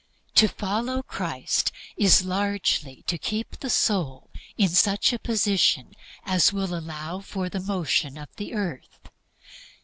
To "follow Christ" is largely to keep the soul in such position as will allow for the motion of the earth.